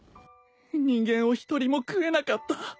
人間を一人も喰えなかった